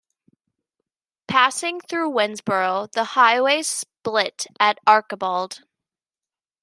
Passing through Winnsboro the highways split at Archibald.